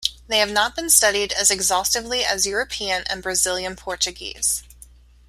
They have not been studied as exhaustively as European and Brazilian Portuguese.